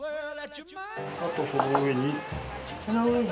あとその上に？